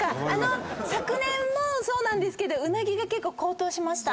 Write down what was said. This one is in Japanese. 昨年もそうなんですけどウナギが結構高騰しました。